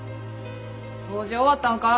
掃除終わったんか？